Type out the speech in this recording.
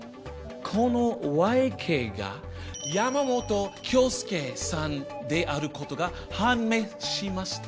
このＹ・Ｋが山本京介さんであることが判明しました。